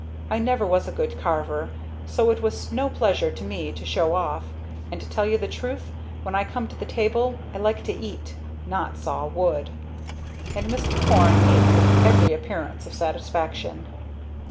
I never was a good carver, so it was no pleasure to me to show off; and to tell you the truth, when I come to the table, I like to eat not saw wood." And Mr. Porne ate with every appearance of satisfaction.